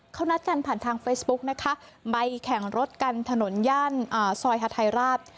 เขานัดกันผ่านทางเฟซบุ๊กนะคะไปแข่งรถกันถนนย่านซอยฮาทายราช